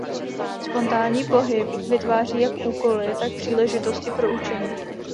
Spontánní pohyb vytváří jak úkoly tak příležitosti pro učení.